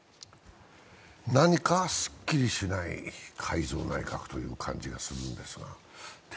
何かすっきりしない改造内閣という感じがするんですが。